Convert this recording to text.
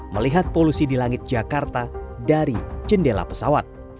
melihat polusi di langit jakarta dari jendela pesawat